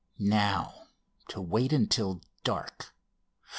"Now to wait until dark!"